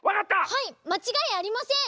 はいまちがいありません！